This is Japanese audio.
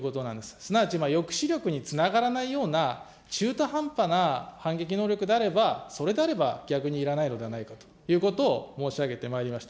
すなわち抑止力につながらないような中途半端な反撃能力であれば、それであれば逆にいらないのではないかということを申し上げてまいりました。